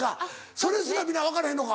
それすら皆分かれへんのか？